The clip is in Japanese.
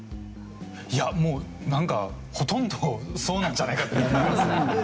いやもうなんかほとんどそうなんじゃないかって思いますね。